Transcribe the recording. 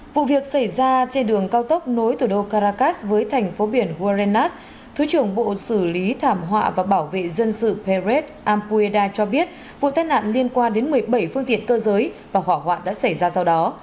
vụ việc xảy ra trên đường cao tốc nối thủ đô caracas với thành phố biển urenas thứ trưởng bộ xử lý thảm họa và bảo vệ dân sự perres apueda cho biết vụ tai nạn liên quan đến một mươi bảy phương tiện cơ giới và hỏa hoạn đã xảy ra sau đó